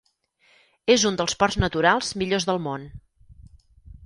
És un dels ports naturals millors del món.